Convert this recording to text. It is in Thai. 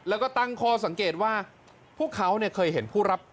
แล้วก็ตั้งข้อสังเกตว่าพวกเขาเนี่ยเคยเห็นผู้รับ